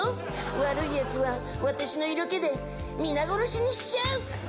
悪いヤツは私の色気で皆殺しにしちゃう！